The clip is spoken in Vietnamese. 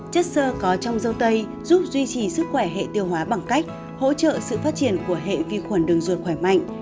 chất sơ có trong dâu tây giúp duy trì sức khỏe hệ tiêu hóa bằng cách hỗ trợ sự phát triển của hệ vi khuẩn đường ruột khỏe mạnh